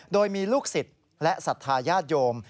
โดยมีลูกศิษย์และศรัทธาญาติโยม